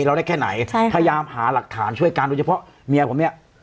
เราได้แค่ไหนใช่ค่ะพยายามหาหลักฐานช่วยกันโดยเฉพาะเมียผมเนี่ย